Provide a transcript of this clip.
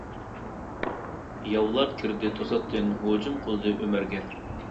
ياۋلار كىردى توساتتىن، ھۇجۇم قىلدى ئۆمەرگە.